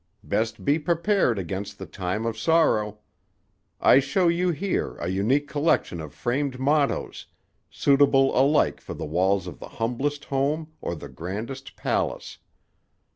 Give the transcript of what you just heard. Best be prepared against the time of sorrow. I show you here a unique collection of framed mottoes, suitable alike for the walls of the humblest home or the grandest palace.